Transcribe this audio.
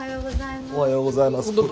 おはようございます。